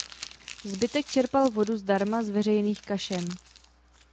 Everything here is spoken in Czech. Zbytek čerpal vodu zdarma z veřejných kašen.